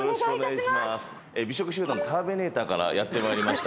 美食集団ターベネーターからやってまいりました